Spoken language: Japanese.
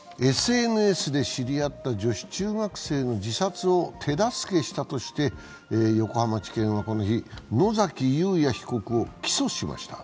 ＳＮＳで知り合った女子中学生の自殺を手助けしたとして横浜地検はこの日、野崎祐也被告を起訴しました。